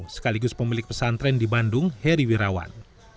sekaligus pemilik pesantren di bandung heri wirawan